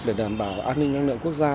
để đảm bảo an ninh năng lượng quốc gia